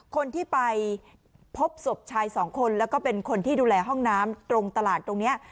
คนที่ไปพบศพชายสองคนแล้วก็เป็นคนที่ดูแลห้องน้ำตรงตลาดตรงนี้